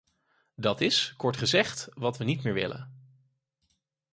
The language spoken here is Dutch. Dat is, kort gezegd, wat we niet meer willen.